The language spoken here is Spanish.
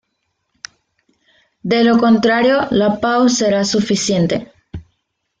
De lo contrario, la PaO será suficiente.